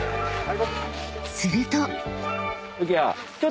［すると］